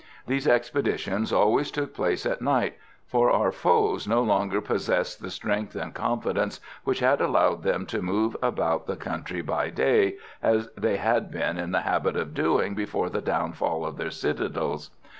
These expeditions always took place at night, for our foes no longer possessed the strength and confidence which had allowed them to move about the country by day, as they had been in the habit of doing before the downfall of their citadels.